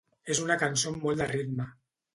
És una cançó amb molt de ritme.